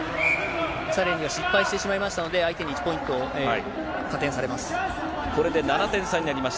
チャレンジは失敗してしまいましたので、相手に１ポイント加点されます。